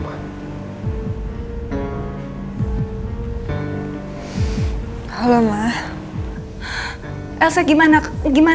tak apa maaf besar kamu